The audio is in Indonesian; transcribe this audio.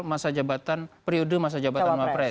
masa jabatan periode masa jabatan wapres